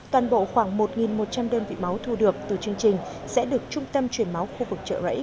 toàn bộ khoảng một một trăm linh đơn vị máu thu được từ chương trình sẽ được trung tâm truyền máu khu vực chợ rẫy